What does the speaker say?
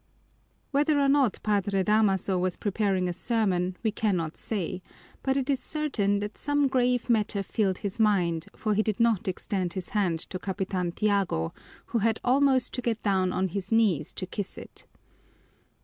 Whether or not Padre Damaso was preparing a sermon we cannot say, but it is certain that some grave matter filled his mind, for he did not extend his hand to Capitan Tiago, who had almost to get down on his knees to kiss it.